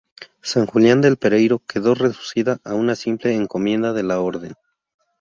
San Julián del Pereiro quedó reducida a una simple encomienda de la orden.